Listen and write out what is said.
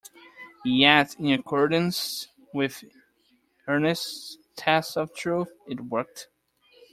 Yet, in accordance with Ernest's test of truth, it worked.